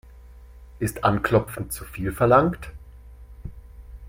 Ist anklopfen zu viel verlangt?